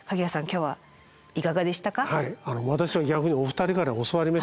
はい私は逆にお二人から教わりましたね。